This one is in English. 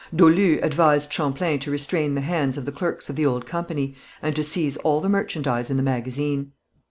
Dolu advised Champlain to restrain the hands of the clerks of the old company, and to seize all the merchandise in the magazine.